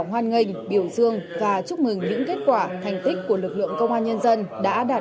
hoan nghênh biểu dương và chúc mừng những kết quả thành tích của lực lượng công an nhân dân đã đạt